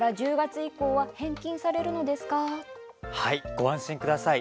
ご安心ください。